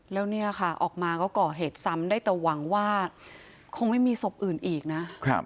แล้วเนี่ยค่ะออกมาก็ก่อเหตุซ้ำได้แต่หวังว่าคงไม่มีศพอื่นอีกนะ